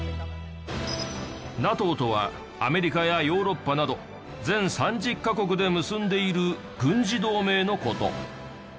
ＮＡＴＯとはアメリカやヨーロッパなど全３０カ国で結んでいる軍事同盟の事。